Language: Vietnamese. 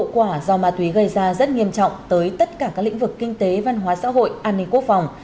quả do ma túy gây ra rất nghiêm trọng tới tất cả các lĩnh vực kinh tế văn hóa xã hội an ninh quốc phòng